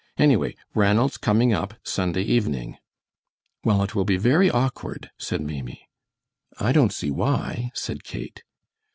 "Anyway, Ranald's coming up Sunday evening." "Well, it will be very awkward," said Maimie. "I don't see why," said Kate.